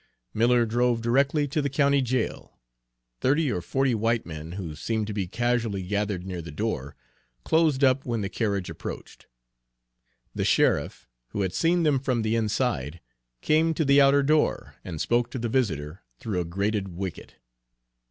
Miller drove directly to the county jail. Thirty or forty white men, who seemed to be casually gathered near the door, closed up when the carriage approached. The sheriff, who had seen them from the inside, came to the outer door and spoke to the visitor through a grated wicket.